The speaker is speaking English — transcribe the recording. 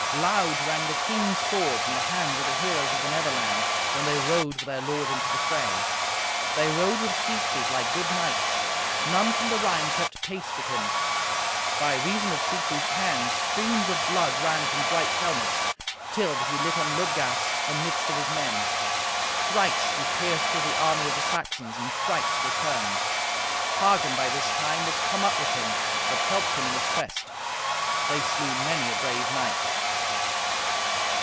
Loud rang the keen swords in the hands of the heroes of the Netherland, when they rode with their lord into the fray. They rode with Siegfried like good knights. None from the Rhine kept pace with him. By reason of Siegfried's hand streams of blood ran from bright helmets, till that he lit on Ludgast amidst of his men. Thrice he pierced through the army of the Saxons, and thrice returned. Hagen, by this time, was come up with him, that helped him in his quest. They slew many a brave knight.